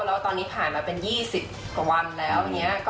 แล้วตอนนี้ผ่านมาเป็น๒๐กว่าวันแล้ว